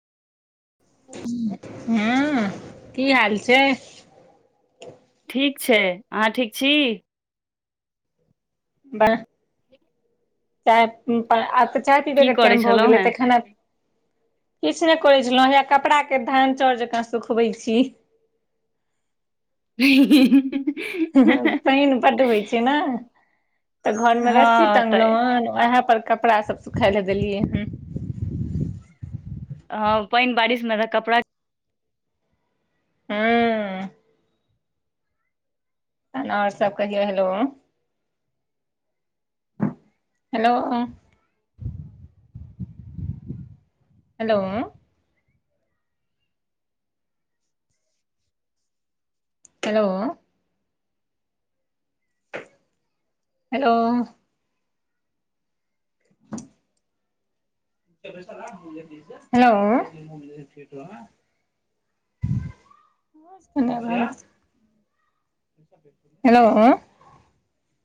हँ की हाल छै ठीक छै अहाँ ठीक छी बरा आब त चाय आ चाय पीबै की क करै टाइम भ छलहुँ गेल हेँ तखन आब किछु ने करे छलौं हा कपड़ा के धान चाउर जका स सुखबे छी अंय हिं हुँ हहह पानि बड होई छै ने तऽ घरमे रस्सी हँ तऽ टंगलहु हन उएह पर कपड़ा सब सुखाय लए देलियै हन अ पानि बारिश मे तऽ कपड़ा हुँ आओर सब कहियो hello hello hello hello hello hello न [inaudible] हेलो